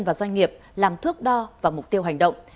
và doanh nghiệp làm thước đo và mục tiêu hành động